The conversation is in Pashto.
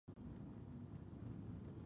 د ځینو ماشومانو خوله تل وازه وي.